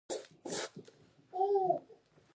د پښتنو کورونه ډیر کلک او خاورین وي.